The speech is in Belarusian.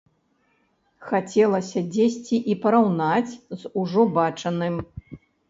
Хацелася дзесьці і параўнаць з ужо бачаным.